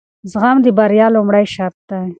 زغم د بریا لومړی شرط دی.